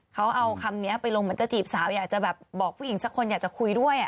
เขาเอาคำนี้ไปลงเหมือนจะจีบสาวอยากจะแบบบอกผู้หญิงสักคนอยากจะคุยด้วย